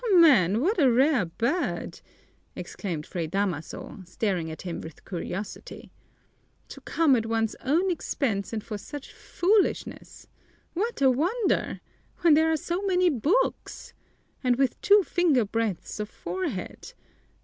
"Man, what a rare bird!" exclaimed Fray Damaso, staring at him with curiosity. "To come at one's own expense and for such foolishness! What a wonder! When there are so many books! And with two fingerbreadths of forehead!